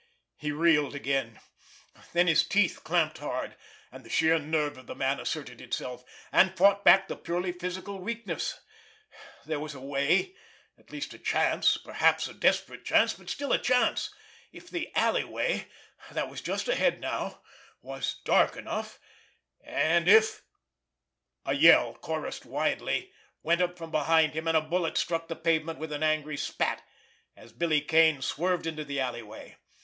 He reeled again. Then his teeth clamped hard, and the sheer nerve of the man asserted itself, and fought back the purely physical weakness. There was a way, at least a chance, perhaps a desperate chance, but still a chance—if the alleyway, that was just ahead now, was dark enough, and if—— A yell, chorused wildly, went up from behind him, and a bullet struck the pavement with an angry spat, as Billy Kane swerved into the alleyway.